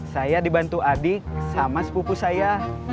saya dibantu adik sama sepupu saya